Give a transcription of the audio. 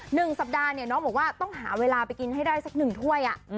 หนึ่งสัปดาห์เนี่ยน้องบอกว่าต้องหาเวลาไปกินให้ได้สักหนึ่งถ้วย